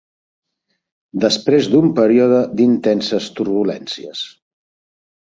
Després d'un període d'intenses turbulències.